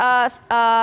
bagaimana menurut anda